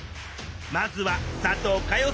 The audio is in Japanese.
まずは佐藤かよ